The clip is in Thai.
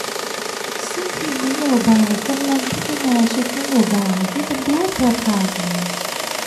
ซึ่งทีมนโยบายกำลังพัฒนาชุดนโยบายที่เป็นรูปธรรม